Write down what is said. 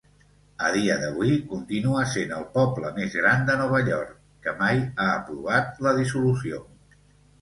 A dia d'avui, continua sent el poble més gran de Nova York que mai ha aprovat la dissolució.